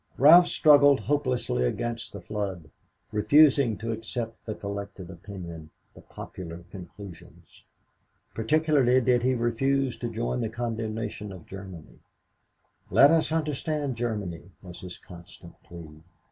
Ralph struggled hopelessly against the flood, refusing to accept the collected opinion, the popular conclusions. Particularly did he refuse to join the condemnation of Germany. Let us understand Germany, was his constant plea.